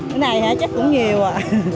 cái này hả chắc cũng nhiều à